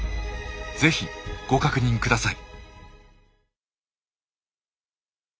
是非ご確認ください。